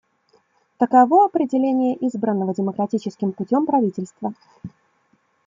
Таково определение «избранного демократическим путем правительства».